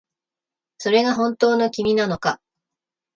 それが本当の君なのか